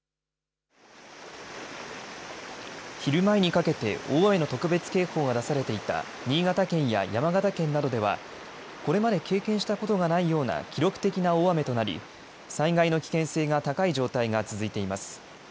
昼前にかけて大雨の特別警報が出されていた新潟県や山形県などではこれまで経験したことがないような記録的な大雨となり災害の危険性が高い状態が続いています。